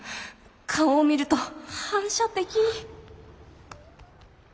顔を見ると反射的に。